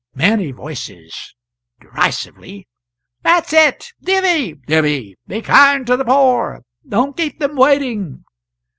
Many Voices [derisively.] "That's it! Divvy! divvy! Be kind to the poor don't keep them waiting!"